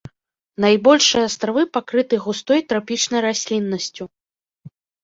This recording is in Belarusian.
Найбольшыя астравы пакрыты густой трапічнай расліннасцю.